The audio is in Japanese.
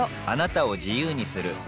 あなたを自由にする